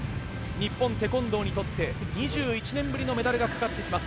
日本テコンドーにとって２１年ぶりのメダルがかかってきます。